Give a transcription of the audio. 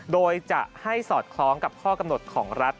โดยจะให้สอดคล้องกับข้อกำหนดของรัฐ